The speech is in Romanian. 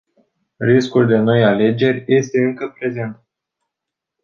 Riscul de noi alegeri este încă prezent.